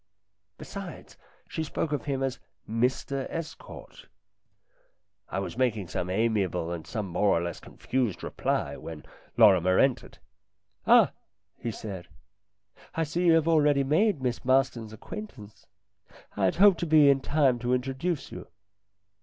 Besides, she spoke of him as " Mr Estcourt." I was making some 2 8o STORIES IN GREY amiable and some more or less confused reply when Lorrimer entered. " Ah !" he said. " I see you have already made Miss Marston's acquaintance. I had hoped to be in time to introduce you."